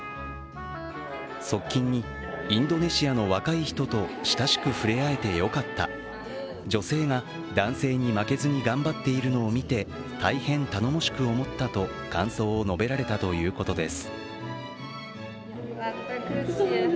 側近にインドネシアの若い人と親しくふれあえてよかった、女性が男性に負けずに頑張っているのを見て大変頼もしく思ったと感想を述べられたということです。